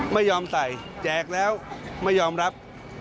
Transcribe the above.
ไม่ยอมใส่แจกแล้วไม่ยอมรับ